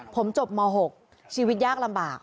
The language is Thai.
ผมจบม๖ชีวิตยากลำบาก